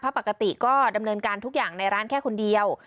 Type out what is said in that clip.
เพราะปกติก็ดำเนินการทุกอย่างในร้านแค่คนเดียว